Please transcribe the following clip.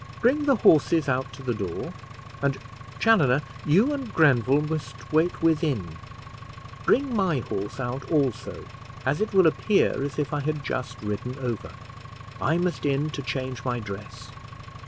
"Bring the horses out to the door; and, Chaloner, you and Grenville must wait within; bring my horse out also, as it will appear as if I had just ridden over. I must in to change my dress.